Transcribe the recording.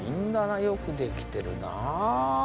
よくできてるな。